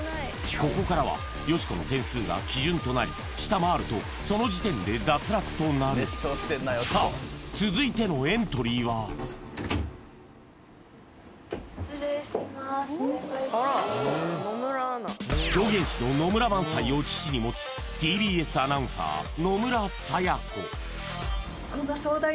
ここからはよしこの点数が基準となり下回るとその時点で脱落となるさあ続いてのエントリーは狂言師の野村萬斎を父に持つＴＢＳアナウンサー野村彩也子